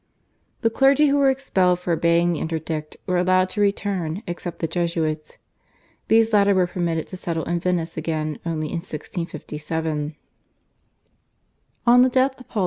The clergy who were expelled for obeying the interdict were allowed to return except the Jesuits. These latter were permitted to settle in Venice again only in 1657. On the death of Paul V.